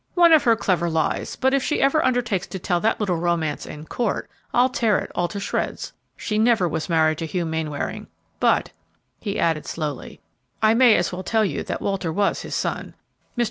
"One of her clever lies; but if she ever undertakes to tell that little romance in court, I'll tear it all to shreds. She never was married to Hugh Mainwaring; but," he added, slowly, "I may as well tell you that Walter was his son. Mr.